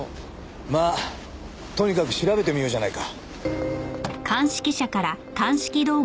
まあとにかく調べてみようじゃないか。